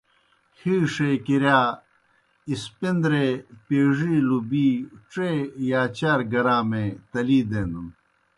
ہِیݜے کِرِیا اِسپِندرے پیڙیلوْ بی ڇے یا چار گرامے تلِی دینَن۔